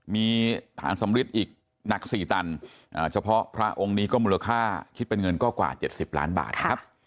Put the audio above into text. มีฐานสำริดอีกหนัก๔ตันเฉพาะพระองค์นี้ก็มูลค่าคิดเป็นเงินก็กว่า๗๐ล้านบาทนะครับ